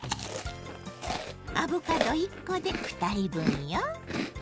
アボカド１コで２人分よ。